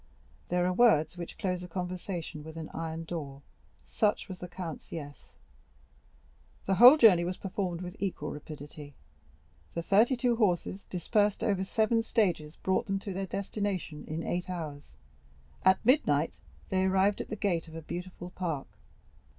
There are words which close a conversation with an iron door; such was the count's "yes." The whole journey was performed with equal rapidity; the thirty two horses, dispersed over seven stages, brought them to their destination in eight hours. At midnight they arrived at the gate of a beautiful park.